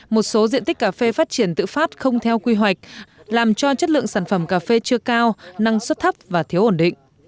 một số diện tích cà phê phát triển tự phát không theo quy hoạch làm cho chất lượng sản phẩm cà phê chưa cao năng suất thấp và thiếu ổn định